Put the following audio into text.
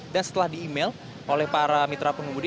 dan setelah di email oleh para mitra pengemudi